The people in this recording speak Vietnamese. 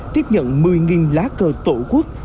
tiếp nhận một mươi lá cờ tổ quốc